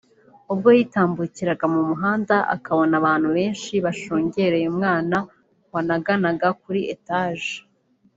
ubwo yitambukiraga mu muhanda akabona abantu benshi bashungereye umwana wanaganaga kuri etaje